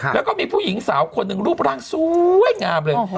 แล้วก็มีผู้หญิงสาวคนหนึ่งรูปร่างสวยงามเลย